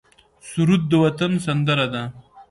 سرود د وطن سندره ده